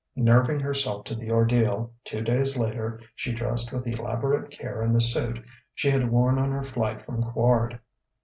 Nerving herself to the ordeal, two days later, she dressed with elaborate care in the suit she had worn on her flight from Quard.